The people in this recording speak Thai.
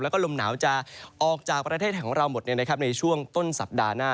แล้วก็ลมหนาวจะออกจากประเทศของเราหมดในช่วงต้นสัปดาห์หน้า